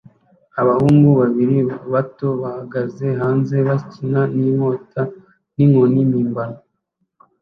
Abahungu babiri bato bahagaze hanze bakina inkoni n'inkota mpimbano